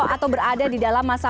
atau berada di dalam masa